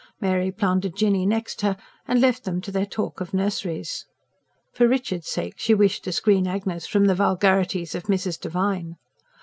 Mary planted Jinny next her and left them to their talk of nurseries: for Richard's sake she wished to screen Agnes from the vulgarities of Mrs. Devine.